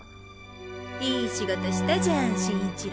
いい仕事したじゃん眞一郎。